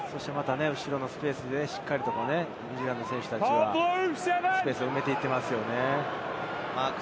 後ろのスペースでしっかりニュージーランドの選手たちがスペースを埋めていっていますね。